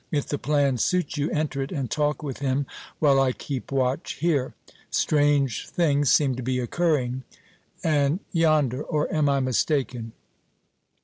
If the plan suits you, enter it and talk with him while I keep watch here. Strange things seem to be occurring, and yonder or am I mistaken?